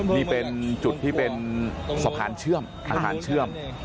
นี่เป็นจุดที่เป็นสะพานเชื่อมสะพานเชื่อม